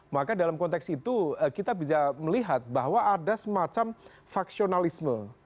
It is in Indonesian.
maka dalam konteks itu kita bisa melihat bahwa ada semacam faksionalisme